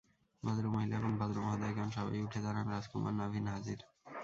ভদ্রমহিলা এবং ভদ্রমহোদয়গণ সবাই উঠে দাঁড়ান, রাজকুমার নাভিন হাজির!